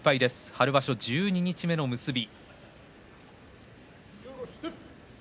春場所十二日目の結び。